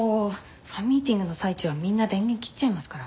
ファンミーティングの最中はみんな電源切っちゃいますから。